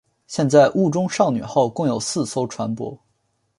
现在雾中少女号共有四艘船舶。